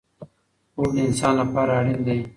خوب د انسان لپاره اړین دی.